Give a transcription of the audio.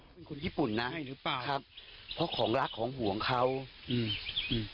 เป็นคนญี่ปุ่นนะครับเพราะของรักของห่วงเขาใช่หรือเปล่า